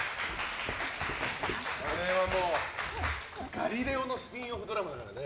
「ガリレオ」のスピンオフドラマだからね。